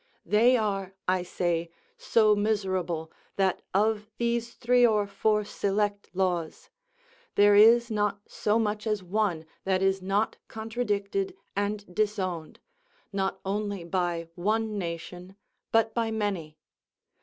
they are, I say, so miserable, that of these three or four select laws, there is not so much as one that is not contradicted and disowned, not only by one nation, but by many.